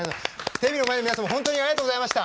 テレビの前の皆さんも本当にありがとうございました。